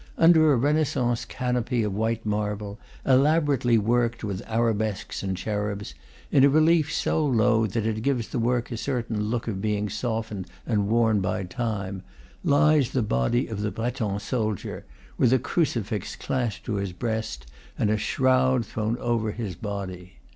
Under a Renaissance canopy of white marble, elaborately worked with arabesques and che rubs, in a relief so low that it gives the work a cer tain look of being softened and worn by time, lies the body of the Breton soldier, with, a crucifix clasped to his breast and a shroud thrown over his body.